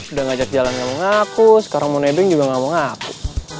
udah ngajak jalan ngomong aku sekarang mau nebeng juga ngomong aku